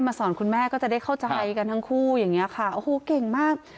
สอนคุณแม่ก็จะได้เข้าใจกันทั้งคู่อย่างเงี้ยค่ะโอ้โหเก่งมาก